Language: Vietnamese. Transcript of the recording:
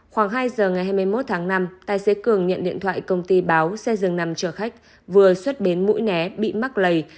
khoảng hai giờ ngày hai mươi một tháng năm tài xế cường nhận điện thoại công ty báo xe dường nằm chở khách vừa xuất bến mũi né bị mắc lầy